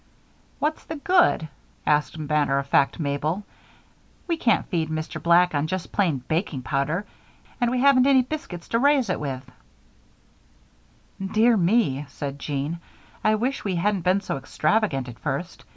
"What's the good?" asked matter of fact Mabel. "We can't feed Mr. Black on just plain baking powder, and we haven't any biscuits to raise with it." "Dear me," said Jean, "I wish we hadn't been so extravagant at first.